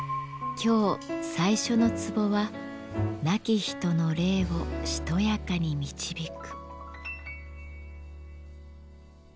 今日最初の壺は「亡き人の霊をしとやかに導く」。